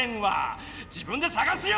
自分でさがすよ！